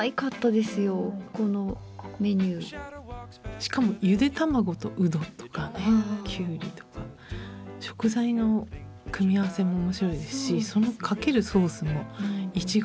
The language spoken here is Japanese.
しかもゆで玉子とうどとかねきゅうりとか食材の組み合わせも面白いですしそのかけるソースもいちごソース。